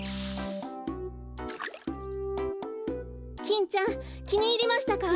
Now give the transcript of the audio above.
キンちゃんきにいりましたか？